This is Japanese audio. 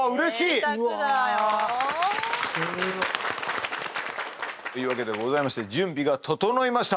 贅沢だよ。というわけでございまして準備が整いました。